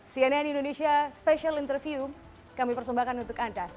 cnn indonesia special interview kami persembahkan untuk anda